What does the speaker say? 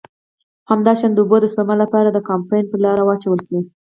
همداشان د اوبو د سپما له پاره د کمپاین پر لاره واچول شي.